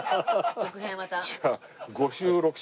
続編はまた。